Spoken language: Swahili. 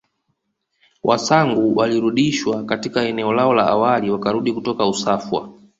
Wasangu walirudishwa katika eneo lao la awali wakarudi kutoka Usafwa